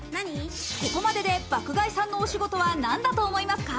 ここまでで爆買いさんのお仕事は何だと思いますか？